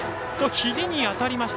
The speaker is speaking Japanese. ひじに当たりました。